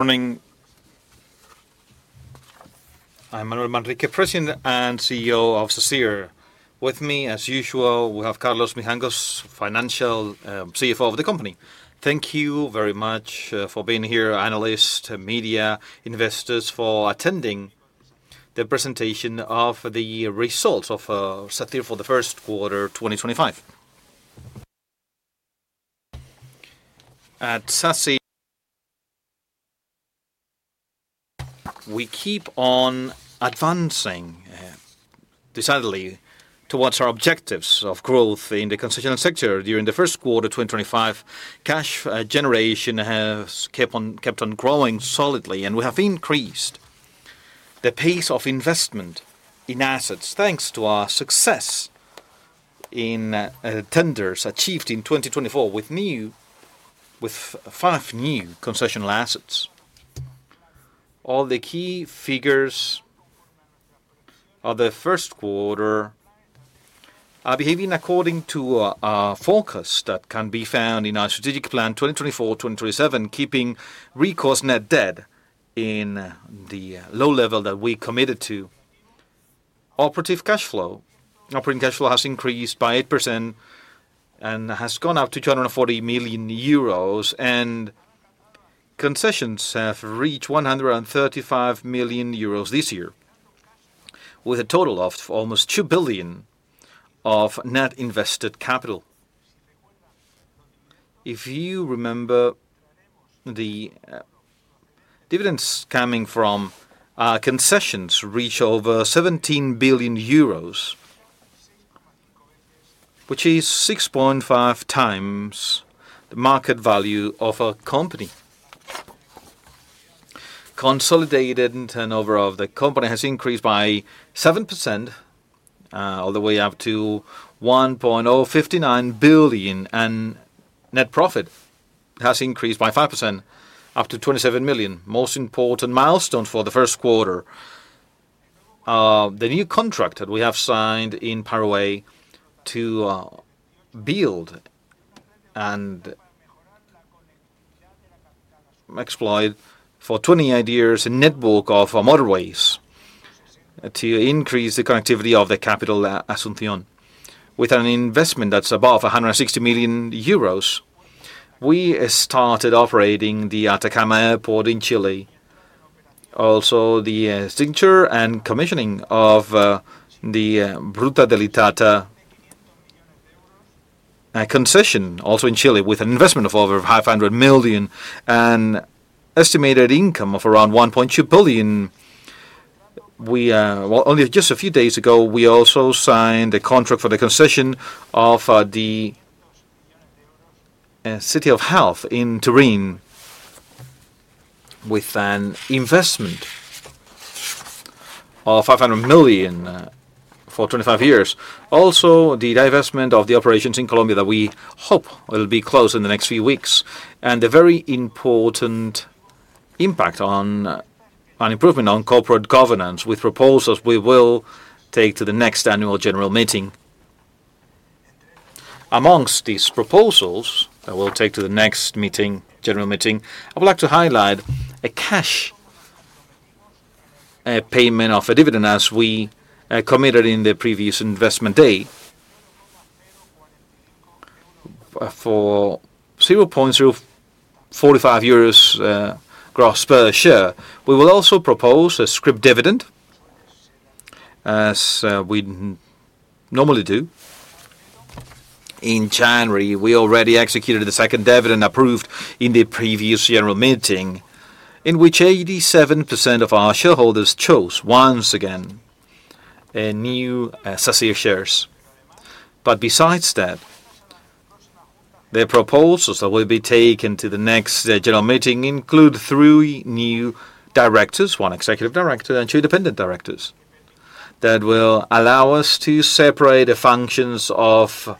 Morning. I'm Manuel Manrique, President and CEO of Sacyr. With me, as usual, we have Carlos Mijangos, Financial CFO of the company. Thank you very much for being here, analysts, media, investors, for attending the presentation of the results of Sacyr for the first quarter 2025. At Sacyr, we keep on advancing, decidedly, towards our objectives of growth in the concessional sector. During the first quarter 2025, cash generation has kept on growing solidly, and we have increased the pace of investment in assets thanks to our success in tenders achieved in 2024 with five new concessional assets. All the key figures of the first quarter are behaving according to a focus that can be found in our strategic plan 2024-2027, keeping recourse net debt in the low level that we committed to. Operative cash flow has increased by 8% and has gone up to 240 million euros, and concessions have reached 135 million euros this year, with a total of almost 2 billion of net invested capital. If you remember, the dividends coming from concessions reach over EUR 17 billion, which is 6.5 times the market value of a company. Consolidated turnover of the company has increased by 7%, all the way up to 1.059 billion, and net profit has increased by 5%, up to 27 million. Most important milestone for the first quarter: the new contract that we have signed in Paraguay to build and exploit for 28 years a network of motorways to increase the connectivity of the capital Asunción. With an investment that's above 160 million euros, we started operating the Atacama Airport in Chile, also the signature and commissioning of the Ruta del Itata concession, also in Chile, with an investment of over 500 million and an estimated income of around 1.2 billion. Only just a few days ago, we also signed the contract for the concession of the City of Health in Turin, with an investment of 500 million for 25 years. Also, the divestment of the operations in Colombia that we hope will be closed in the next few weeks, and a very important impact on improvement on corporate governance with proposals we will take to the next annual general meeting. Amongst these proposals that we'll take to the next general meeting, I would like to highlight a cash payment of a dividend, as we committed in the previous investment day, for 0.045 euros gross per share. We will also propose a Scrip Dividend, as we normally do. In January, we already executed the second dividend approved in the previous general meeting, in which 87% of our shareholders chose once again new Sacyr shares. Besides that, the proposals that will be taken to the next general meeting include three new directors: one executive director and two independent directors, that will allow us to separate the functions of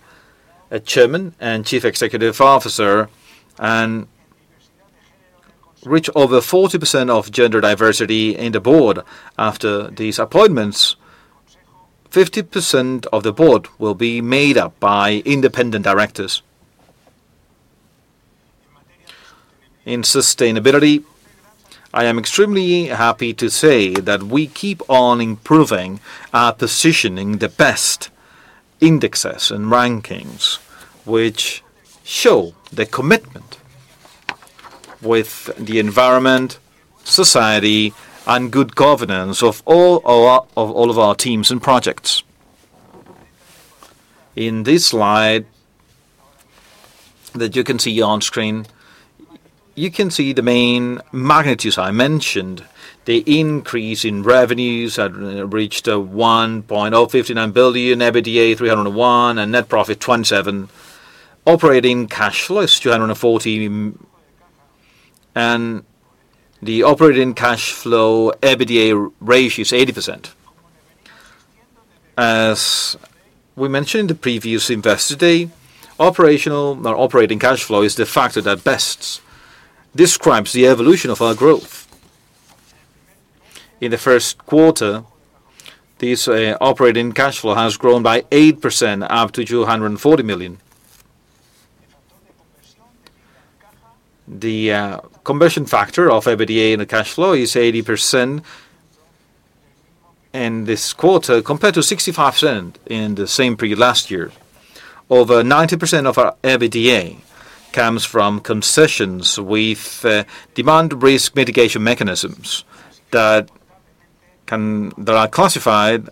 Chairman and Chief Executive Officer and reach over 40% of gender diversity in the board. After these appointments, 50% of the board will be made up by independent directors. In sustainability, I am extremely happy to say that we keep on improving our position in the best indexes and rankings, which show the commitment with the environment, society, and good governance of all of our teams and projects. In this slide that you can see on screen, you can see the main magnitudes I mentioned: the increase in revenues that reached 1.059 billion, EBITDA 301, and net profit 27, operating cash flows 240, and the operating cash flow EBITDA ratio is 80%. As we mentioned in the previous investor day, operating cash flow is the factor that best describes the evolution of our growth. In the first quarter, this operating cash flow has grown by 8%, up to 240 million. The conversion factor of EBITDA in the cash flow is 80% in this quarter, compared to 65% in the same period last year. Over 90% of our EBITDA comes from concessions with demand risk mitigation mechanisms that are classified,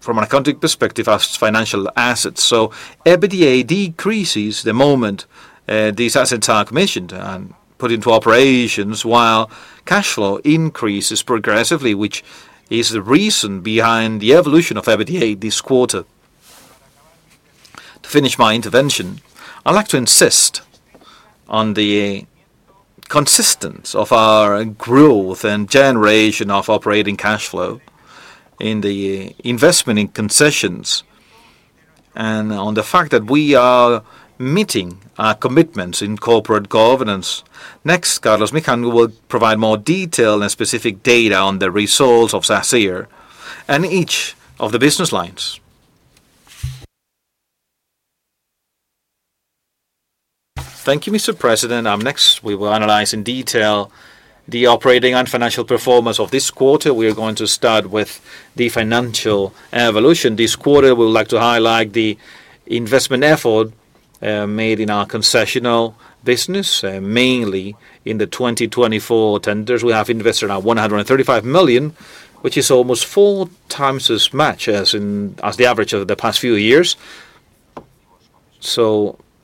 from an accounting perspective, as financial assets. EBITDA decreases the moment these assets are commissioned and put into operations, while cash flow increases progressively, which is the reason behind the evolution of EBITDA this quarter. To finish my intervention, I'd like to insist on the consistence of our growth and generation of operating cash flow in the investment in concessions and on the fact that we are meeting our commitments in corporate governance. Next, Carlos Mijangos will provide more detail and specific data on the results of Sacyr and each of the business lines. Thank you, Mr. President. Next, we will analyze in detail the operating and financial performance of this quarter. We are going to start with the financial evolution. This quarter, we would like to highlight the investment effort made in our concessional business, mainly in the 2024 tenders. We have invested 135 million, which is almost four times as much as the average of the past few years.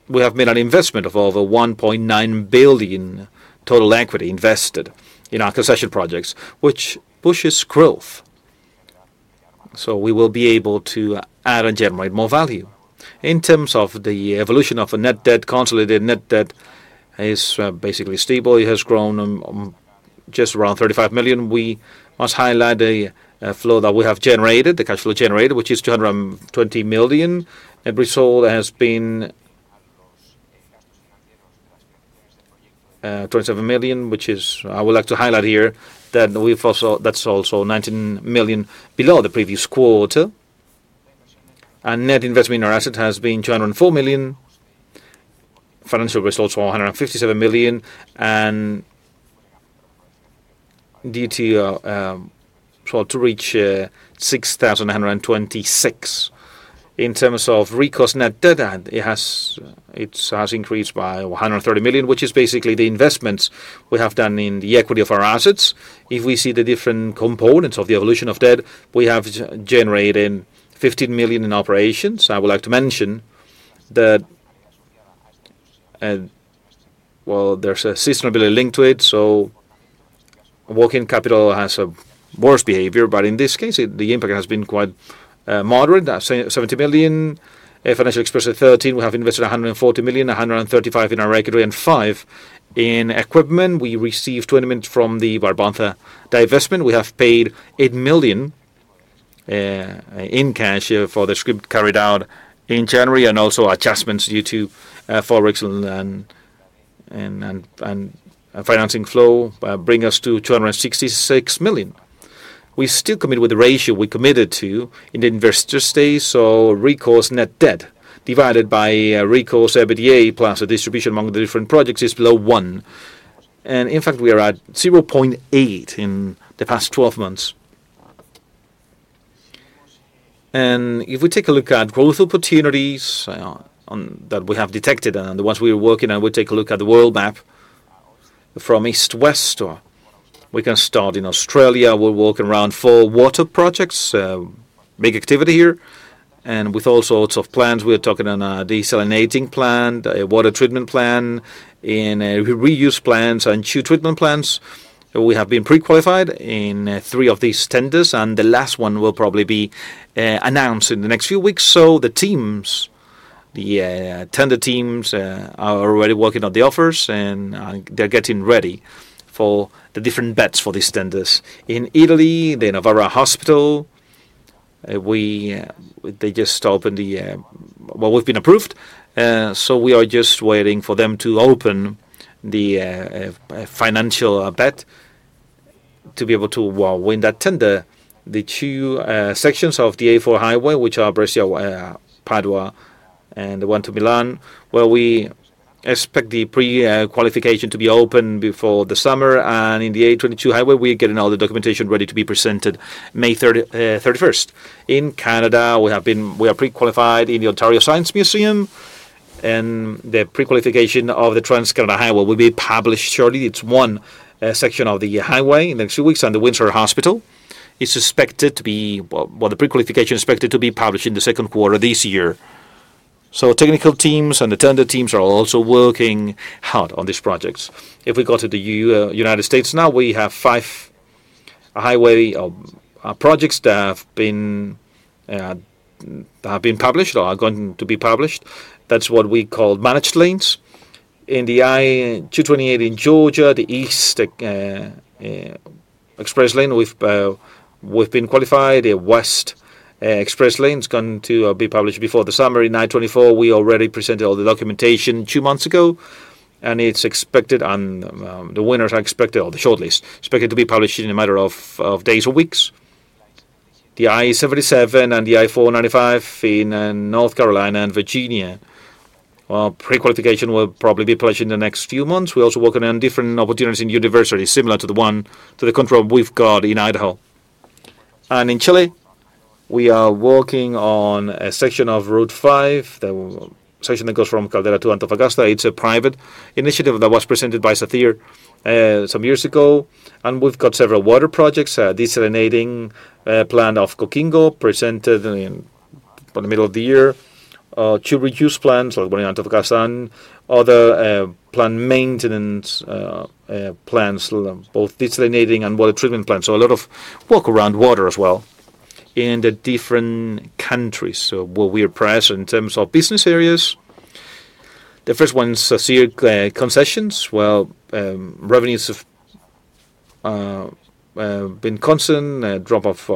We have made an investment of over 1.9 billion total equity invested in our concession projects, which pushes growth. We will be able to add and generate more value. In terms of the evolution of net debt, consolidated net debt is basically stable. It has grown just around 35 million. We must highlight the flow that we have generated, the cash flow generated, which is 220 million. The result has been 27 million, which I would like to highlight here, that's also 19 million below the previous quarter. Net investment in our asset has been 204 million. Financial result is 157 million, and derivatives reached 6,126. In terms of recourse net debt, it has increased by 130 million, which is basically the investments we have done in the equity of our assets. If we see the different components of the evolution of debt, we have generated 15 million in operations. I would like to mention that, you know, there's a sustainability link to it, so working capital has a worse behavior, but in this case, the impact has been quite moderate: 70 million. Financial expenses 13 million. We have invested 140 million, 135 million in our equity, and 5 million in equipment. We received 20 million from the Barbanza divestment. We have paid 8 million in cash for the Scrip carried out in January and also adjustments due to forex and financing flow bring us to 266 million. We still commit with the ratio we committed to in the investor stage, so recourse net debt divided by recourse EBITDA plus the distribution among the different projects is below one. In fact, we are at 0.8 in the past 12 months. If we take a look at growth opportunities that we have detected and the ones we are working on, we take a look at the world map from east to west. We can start in Australia. We're working around four water projects, big activity here, and with all sorts of plans. We're talking on a desalination plant, a water treatment plant, and reuse plants and two treatment plants. We have been pre-qualified in three of these tenders, and the last one will probably be announced in the next few weeks. The teams, the tender teams, are already working on the offers, and they're getting ready for the different bets for these tenders. In Italy, the Novara Hospital, they just opened the—well, we've been approved, so we are just waiting for them to open the financial bids to be able to win that tender. The two sections of the A4 highway, which are Brescia-Padua and the one to Milan, we expect the pre-qualification to be open before the summer. In the A22 highway, we're getting all the documentation ready to be presented May 31. In Canada, we are pre-qualified in the Ontario Science Museum, and the pre-qualification of the Trans-Canada Highway will be published shortly. It's one section of the highway in the next few weeks, and the Windsor Hospital is expected to be—the pre-qualification is expected to be published in the second quarter this year. Technical teams and the tender teams are also working hard on these projects. If we go to the United States now, we have five highway projects that have been published or are going to be published. That's what we call managed lanes. In the I-285 in Georgia, the east express lane, we've been qualified. The west express lane is going to be published before the summer. In I-24, we already presented all the documentation two months ago, and it's expected—and the winners are expected—or the shortlist, expected to be published in a matter of days or weeks. The I-77 and the I-495 in North Carolina and Virginia. Pre-qualification will probably be published in the next few months. We're also working on different opportunities in universities, similar to the one to the control we've got in Idaho. In Chile, we are working on a section of Route 5, the section that goes from Caldera to Antofagasta. It's a private initiative that was presented by Sacyr some years ago, and we've got several water projects: a desalinating plant of Coquimbo presented in the middle of the year, two reuse plants like one in Antofagasta, and other plant maintenance plans, both desalinating and water treatment plants. A lot of work around water as well in the different countries. Where we are pressed in terms of business areas, the first one is Sacyr Concessions. Revenues have been constant, a drop of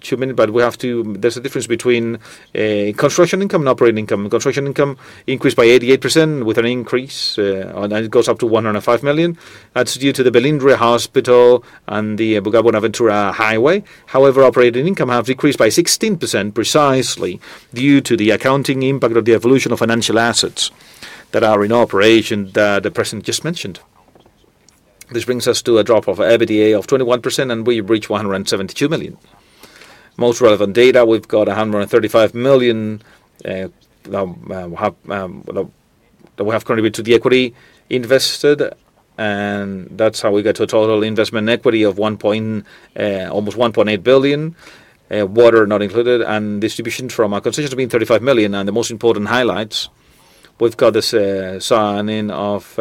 2 million, but we have to—there's a difference between construction income and operating income. Construction income increased by 88% with an increase, and it goes up to 105 million. That's due to the Velindre Hospital and the Buga-Buenaventura highway. However, operating income has decreased by 16% precisely due to the accounting impact of the evolution of financial assets that are in operation that the President just mentioned. This brings us to a drop of EBITDA of 21%, and we reach 172 million. Most relevant data, we've got 135 million that we have contributed to the equity invested, and that's how we get to a total investment equity of almost 1.8 billion, water not included, and distributions from our concessions have been 35 million. The most important highlights, we've got this signing of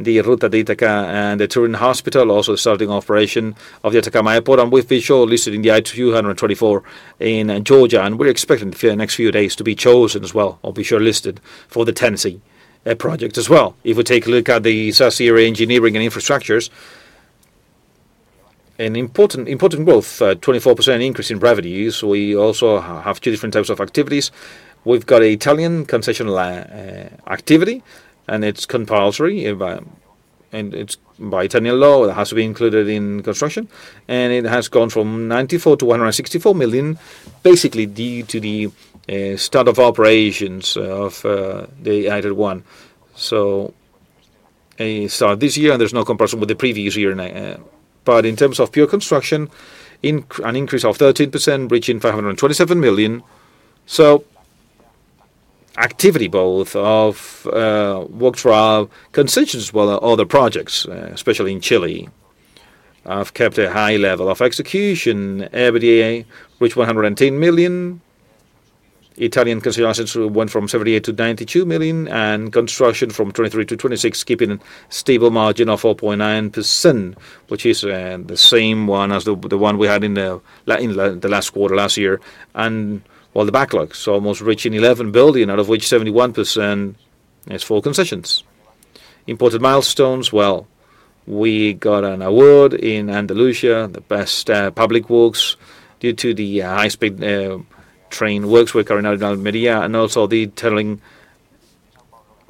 the Ruta del Itata and the Turin Hospital, also starting operation of the Atacama Airport, and we've been shortlisted in the I-224 in Georgia. We're expecting the next few days to be chosen as well or be shortlisted for the Tennessee project as well. If we take a look at the Sacyr Engineering and Infrastructures, an important growth, 24% increase in revenues. We also have two different types of activities. We've got an Italian concessional activity, and it's compulsory, and it's by Italian law that has to be included in construction, and it has gone from 94 million to 164 million, basically due to the start of operations of the A21. It started this year, and there's no comparison with the previous year. In terms of pure construction, an increase of 13%, reaching 527 million. Activity both of works for our concessions as well as other projects, especially in Chile, have kept a high level of execution. EBITDA reached 110 million. Italian concessional assets went from 78 million to 92 million, and construction from 23 million to 26 million, keeping a stable margin of 4.9%, which is the same one as the one we had in the last quarter last year. The backlog, so almost reaching 11 billion, out of which 71% is for concessions. Important milestones, we got an award in Andalusia, the best public works due to the high-speed train works we are carrying out in Almería, and also the tunneling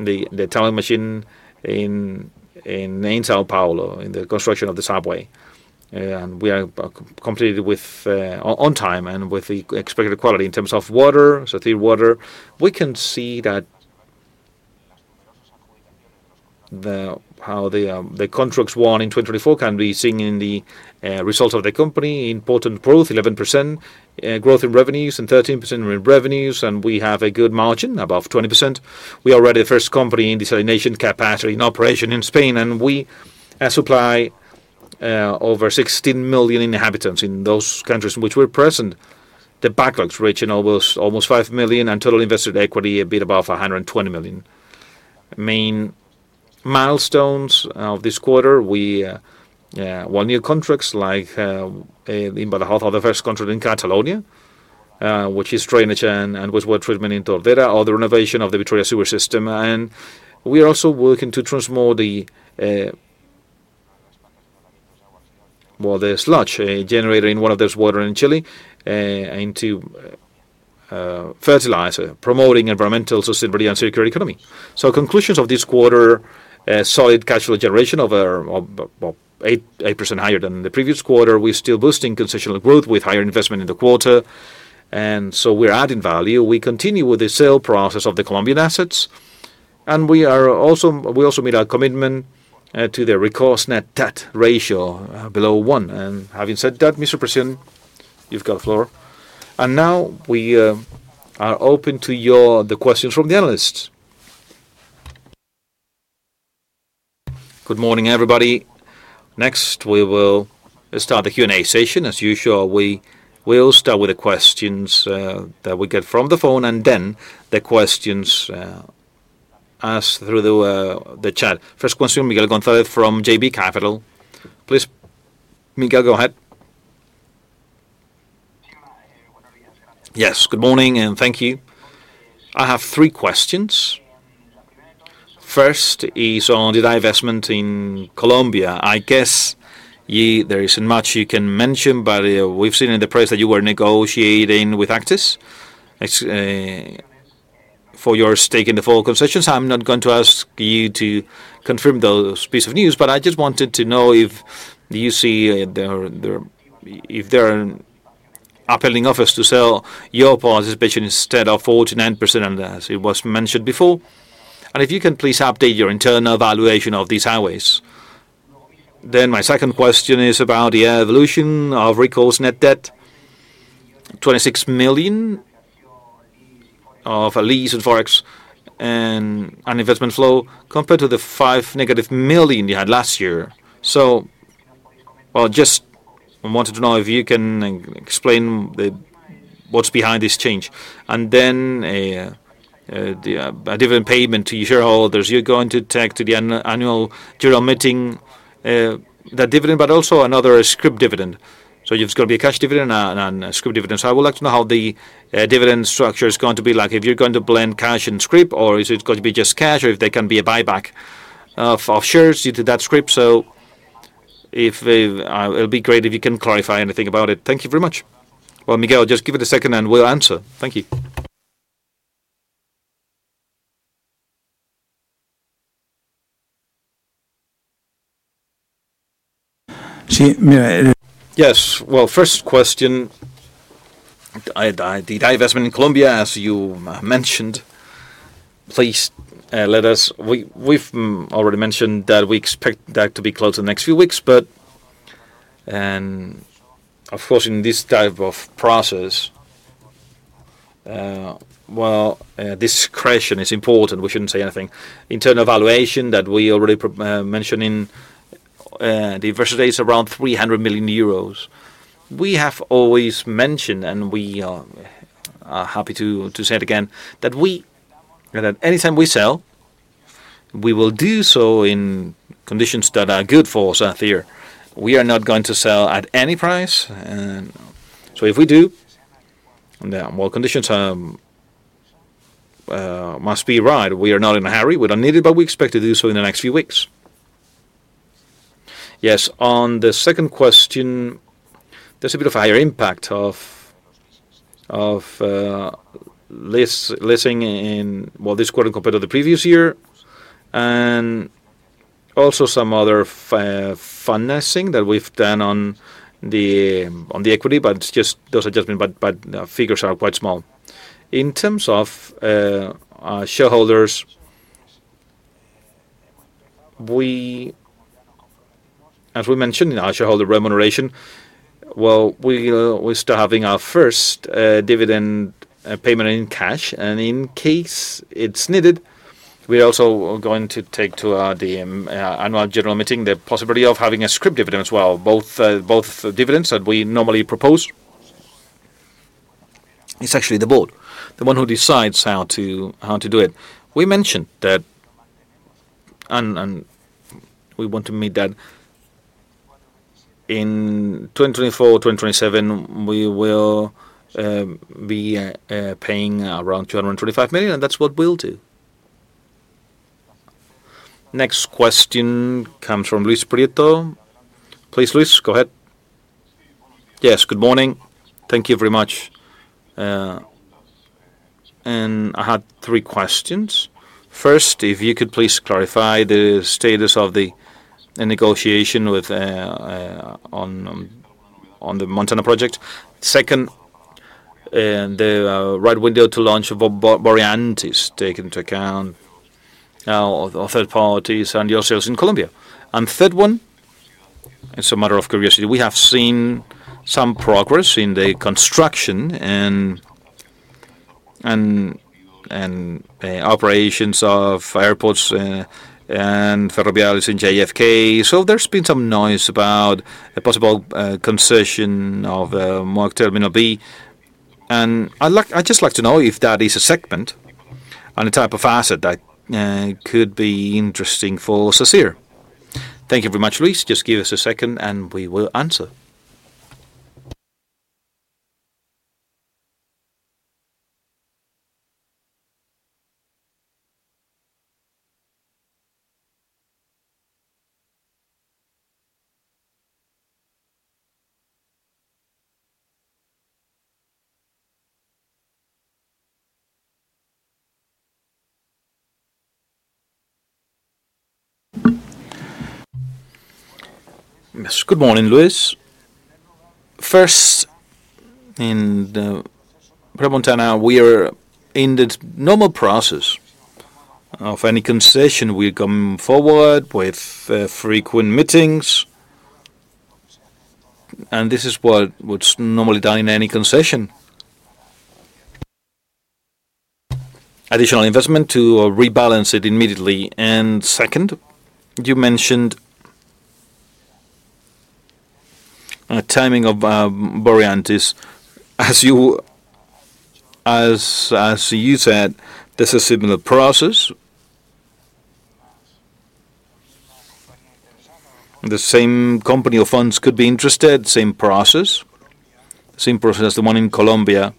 machine in São Paulo in the construction of the subway. We are completed on time and with the expected quality in terms of water, so clear water. We can see that how the contracts won in 2024 can be seen in the results of the company. Important growth, 11% growth in revenues and 13% in revenues, and we have a good margin, above 20%. We are already the first company in desalination capacity in operation in Spain, and we supply over 16 million inhabitants in those countries in which we're present. The backlog's reaching almost 5 million and total invested equity a bit above 120 million. Main milestones of this quarter, new contracts like in Badajoz, the first contract in Catalonia, which is drainage and wastewater treatment in Tordera, or the renovation of the Vitoria sewer system. We are also working to transform the sludge generated in one of those waters in Chile into fertilizer, promoting environmental sustainability and circular economy. Conclusions of this quarter, solid cash flow generation of 8% higher than the previous quarter. We're still boosting concessional growth with higher investment in the quarter, and we're adding value. We continue with the sale process of the Colombian assets, and we also made a commitment to the recourse net debt ratio below one. Having said that, Mr. President, you have the floor. Now we are open to the questions from the analysts. Good morning, everybody. Next, we will start the Q&A session. As usual, we will start with the questions that we get from the phone and then the questions asked through the chat. First question, Miguel González from JB Capital. Please, Miguel, go ahead. Yes. Good morning, and thank you. I have three questions. First is on the divestment in Colombia. I guess there is not much you can mention, but we have seen in the press that you were negotiating with Actis for your stake in the full concessions. I'm not going to ask you to confirm those pieces of news, but I just wanted to know if you see if there are uphelding offers to sell your participation instead of 49%, as it was mentioned before. If you can please update your internal evaluation of these highways. My second question is about the evolution of recourse net debt, 26 million of a lease and forex and investment flow compared to the 5 million you had last year. I just wanted to know if you can explain what's behind this change. A dividend payment to your shareholders, you're going to take to the annual general meeting, that dividend, but also another Scrip Dividend. You've got to be a cash dividend and a Scrip Dividend. I would like to know how the dividend structure is going to be like. If you're going to blend cash and Scrip, or is it going to be just cash, or if there can be a buyback of shares into that Scrip? It would be great if you can clarify anything about it. Thank you very much. Miguel, just give it a second and we'll answer. Thank you. Sí, mira. Yes. First question, the divestment in Colombia, as you mentioned, please let us—we've already mentioned that we expect that to be close in the next few weeks, but of course, in this type of process, discretion is important. We shouldn't say anything. Internal evaluation that we already mentioned in the investor days around 300 million euros. We have always mentioned, and we are happy to say it again, that anytime we sell, we will do so in conditions that are good for Sacyr. We are not going to sell at any price. If we do, conditions must be right. We are not in a hurry. We do not need it, but we expect to do so in the next few weeks. Yes. On the second question, there is a bit of higher impact of leasing, this quarter compared to the previous year, and also some other financing that we have done on the equity, but just those adjustments, but figures are quite small. In terms of shareholders, as we mentioned in our shareholder remuneration, we are still having our first dividend payment in cash, and in case it is needed, we are also going to take to the annual general meeting the possibility of having a Scrip Dividend as well. Both dividends that we normally propose, it is actually the board, the one who decides how to do it. We mentioned that, and we want to meet that in 2024, 2027, we will be paying around 225 million, and that's what we'll do. Next question comes from Luis Prieto. Please, Luis, go ahead. Yes. Good morning. Thank you very much. I had three questions. First, if you could please clarify the status of the negotiation on the Pedemontana project. Second, the right window to launch Voreantis is taken into account of third parties and your sales in Colombia. Third one, as a matter of curiosity, we have seen some progress in the construction and operations of airports and ferroviarios in JFK. There has been some noise about a possible concession of Newark Terminal B. I'd just like to know if that is a segment and a type of asset that could be interesting for Sacyr. Thank you very much, Luis. Just give us a second, and we will answer. Yes. Good morning, Luis. First, in Pedemontana, we are in the normal process of any concession. We come forward with frequent meetings, and this is what is normally done in any concession: additional investment to rebalance it immediately. Second, you mentioned timing of Voreantis. As you said, there is a similar process. The same company or funds could be interested, same process, same process as the one in Colombia.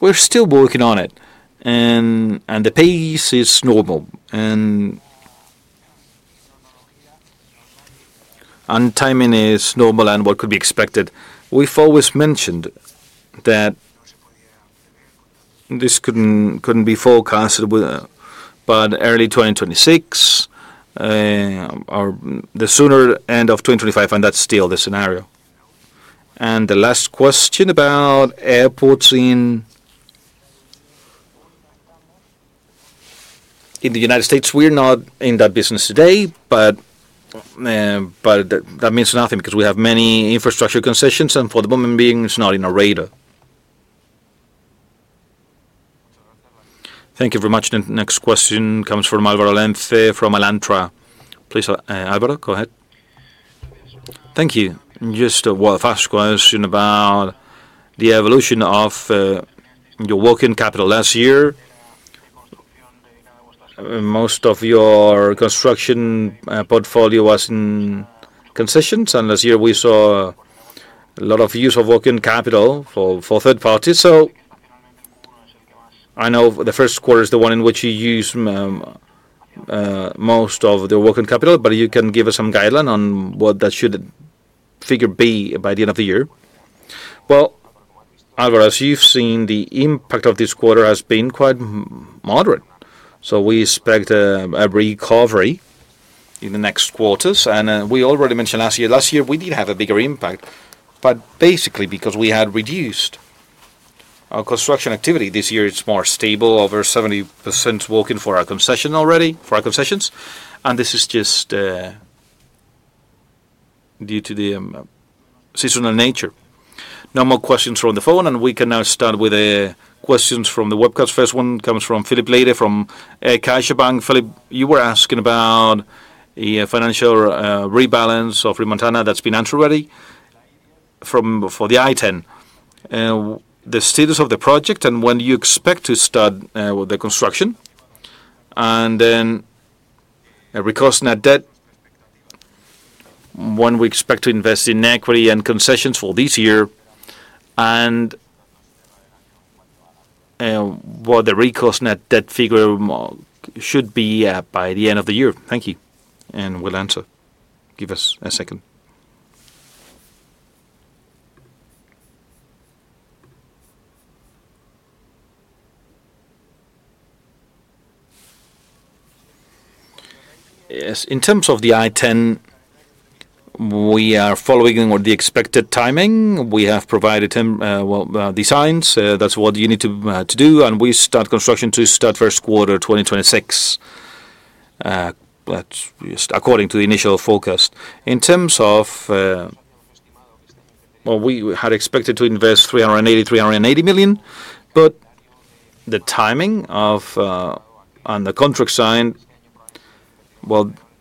We are still working on it, and the pace is normal, and timing is normal and what could be expected. We have always mentioned that this could not be forecast, but early 2026, the sooner end of 2025, and that is still the scenario. The last question about airports in the United States, we're not in that business today, but that means nothing because we have many Infrastructure concessions, and for the moment being, it's not in our radar. Thank you very much. Next question comes from Álvaro Llorente from Alantra. Please, Álvaro, go ahead. Thank you. Just a fast question about the evolution of your working capital last year. Most of your construction portfolio was in concessions, and last year, we saw a lot of use of working capital for third parties. I know the first quarter is the one in which you use most of the working capital, but you can give us some guideline on what that should figure be by the end of the year. Álvaro, as you've seen, the impact of this quarter has been quite moderate. We expect a recovery in the next quarters, and we already mentioned last year. Last year, we did have a bigger impact, but basically because we had reduced our construction activity. This year, it's more stable, over 70% working for our concession already, for our concessions, and this is just due to the seasonal nature. No more questions from the phone, and we can now start with questions from the webcast. First one comes from Filipe Leite from CaixaBank. Filipe, you were asking about the financial rebalance of Pedemontana that's been answered already for the I-10. The status of the project and when you expect to start with the construction, and then recourse net debt, when we expect to invest in equity and concessions for this year, and what the recourse net debt figure should be by the end of the year. Thank you, and we'll answer. Give us a second. Yes. In terms of the I-10, we are following the expected timing. We have provided designs. That is what you need to do, and we start construction to start first quarter 2026, according to the initial forecast. In terms of, we had expected to invest 380 million, 380 million, but the timing and the contract signed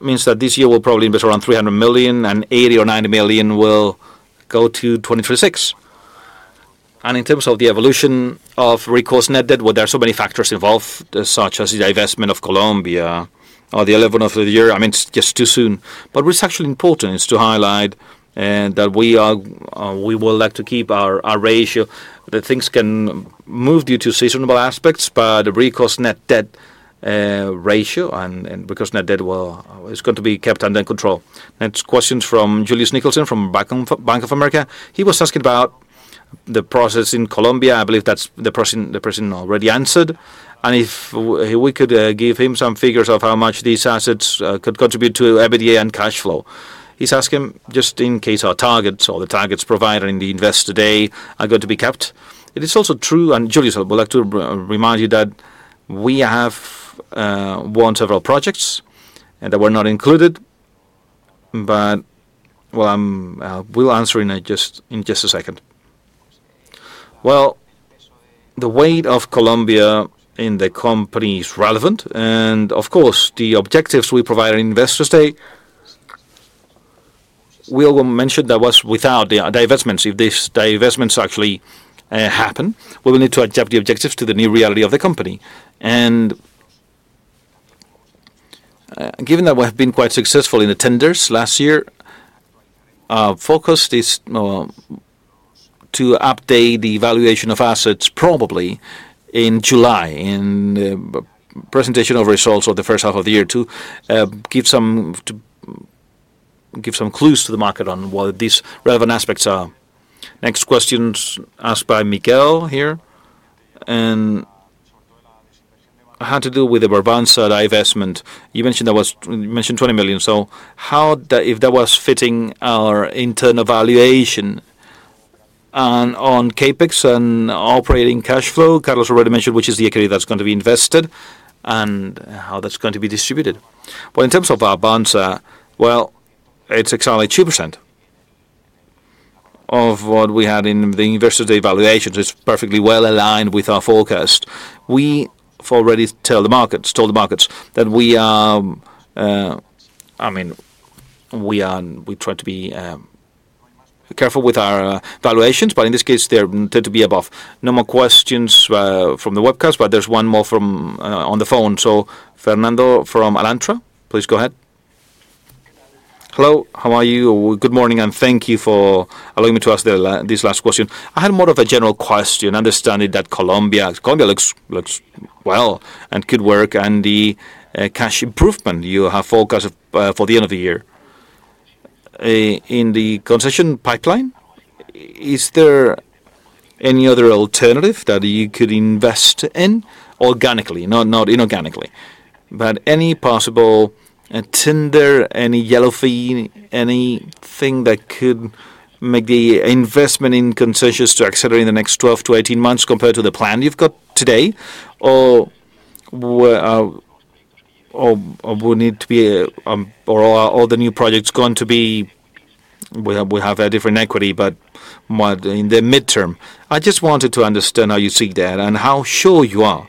means that this year we will probably invest around 300 million, and 80-90 million will go to 2026. In terms of the evolution of recourse net debt, there are so many factors involved, such as the divestment of Colombia or the 11th of the year. I mean, it is just too soon, but what is actually important is to highlight that we will like to keep our ratio. Things can move due to seasonal aspects, but the recourse net debt ratio and recourse net debt is going to be kept under control. Next question from Julius Nickelsen from Bank of America. He was asking about the process in Colombia. I believe that's the person already answered, and if we could give him some figures of how much these assets could contribute to EBITDA and cash flow. He's asking just in case our targets or the targets provided in the investor day are going to be kept. It is also true, and Julius, I would like to remind you that we have won several projects that were not included, but we will answer in just a second. The weight of Colombia in the company is relevant, and of course, the objectives we provide investors today, we will mention that was without the divestments. If these divestments actually happen, we will need to adapt the objectives to the new reality of the company. Given that we have been quite successful in the tenders last year, our focus is to update the evaluation of assets probably in July in the presentation of results of the first half of the year to give some clues to the market on what these relevant aspects are. Next question asked by Miguel here. How to do with the Voreantis divestment? You mentioned that, you mentioned 20 million. If that was fitting our internal valuation on CapEx and operating cash flow, Carlos already mentioned which is the equity that's going to be invested and how that's going to be distributed. In terms of our bonds, it is exactly 2% of what we had in the investor day valuations. It is perfectly well aligned with our forecast. We've already told the markets that we are, I mean, we try to be careful with our valuations, but in this case, they tend to be above. No more questions from the webcast, but there's one more on the phone. Fernando from Alantra, please go ahead. Hello. How are you? Good morning, and thank you for allowing me to ask this last question. I had more of a general question. Understanding that Colombia looks well and could work and the cash improvement you have forecast for the end of the year. In the concession pipeline, is there any other alternative that you could invest in organically, not inorganically, but any possible tender, any yellowfield, anything that could make the investment in concessions to accelerate in the next 12-18 months compared to the plan you've got today, or will need to be, or are all the new projects going to be? We have a different equity, but in the midterm, I just wanted to understand how you see that and how sure you are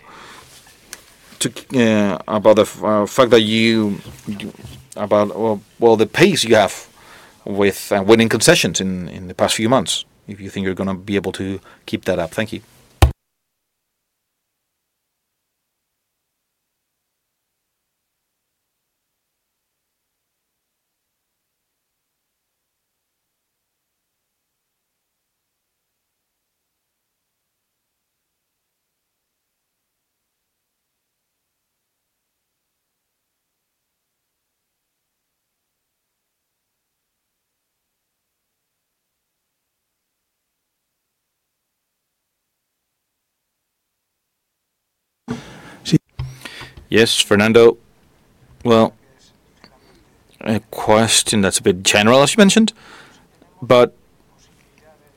about the fact that you, about, well, the pace you have with winning concessions in the past few months, if you think you're going to be able to keep that up. Thank you. Yes, Fernando. A question that's a bit general, as you mentioned, but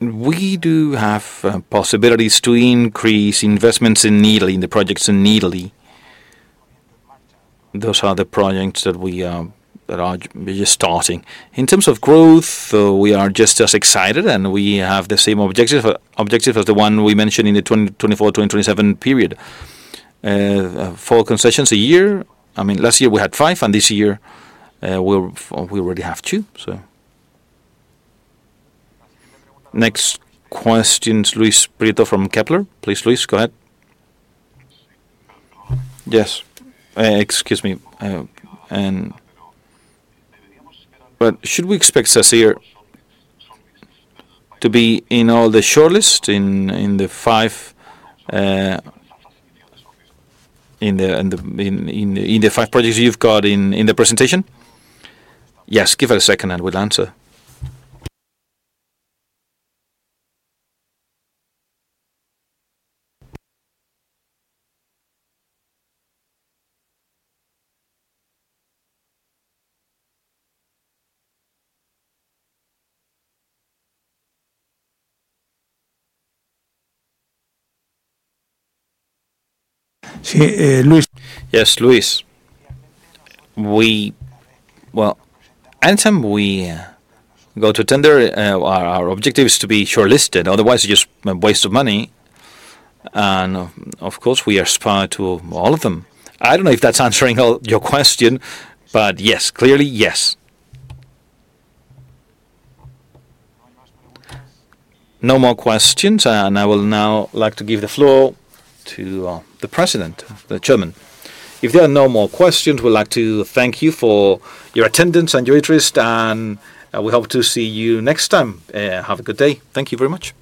we do have possibilities to increase investments in Italy, in the projects in Italy. Those are the projects that we are just starting. In terms of growth, we are just as excited, and we have the same objectives as the one we mentioned in the 2024-2027 period. Four concessions a year. I mean, last year we had five, and this year we already have two. Next questions, Luis Prieto from Kepler. Please, Luis, go ahead. Yes. Excuse me. Should we expect Sacyr to be in all the shortlist in the five projects you've got in the presentation? Yes. Give us a second, and we'll answer. Luis. Yes, Luis. When we go to tender, our objective is to be shortlisted. Otherwise, it's just a waste of money. Of course, we are supplied to all of them. I don't know if that's answering your question, but yes, clearly yes. No more questions, and I would now like to give the floor to the President, the Chairman. If there are no more questions, we'd like to thank you for your attendance and your interest, and we hope to see you next time. Have a good day. Thank you very much.